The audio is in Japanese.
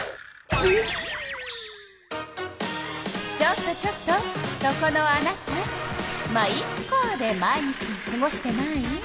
ちょっとちょっとそこのあなた「ま、イッカ」で毎日をすごしてない？